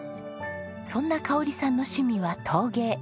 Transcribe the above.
そんな香さんの趣味は陶芸。